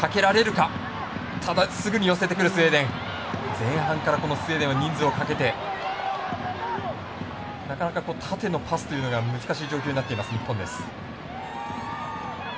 前半からスウェーデンは人数をかけてなかなか縦のパスというのが難しい状況になっています日本です。